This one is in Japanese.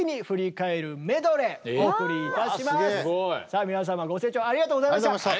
さあ皆様ご清聴ありがとうございました。